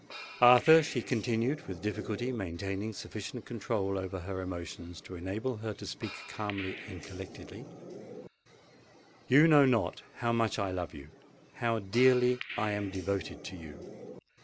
"Arthur," she continued, with difficulty maintaining sufficient control over her emotions to enable her to speak calmly and collectedly, "you know not how much I love you—how dearly I am devoted to you.